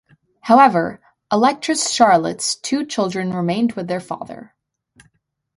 However, Electress Charlotte's two children remained with their father.